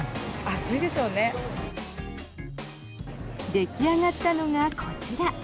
出来上がったのが、こちら。